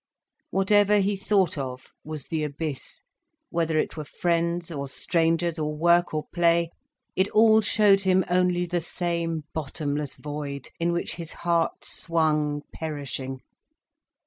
Whatever he thought of, was the abyss—whether it were friends or strangers, or work or play, it all showed him only the same bottomless void, in which his heart swung perishing.